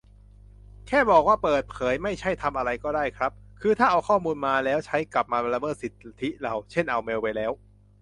แค่บอกว่าเปิดเผยไม่ใช่ทำอะไรก็ได้ครับ คือถ้าเอาข้อมูลไปแล้วใช้กลับมาละเมิดสิทธิเรา เช่นเอาเมลไปแล้ว